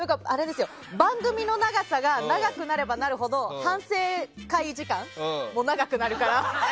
番組の長さが長くなればなるほど反省会時間も長くなるから。